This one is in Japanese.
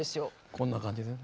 こんな感じでね。